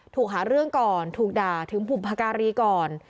หาเรื่องก่อนถูกด่าถึงบุพการีก่อน